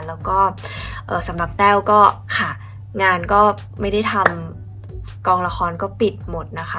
แล้วก็สำหรับแต้วก็ค่ะงานก็ไม่ได้ทำกองละครก็ปิดหมดนะคะ